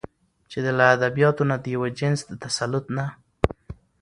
چې له ادبياتو نه د يوه جنس د تسلط نه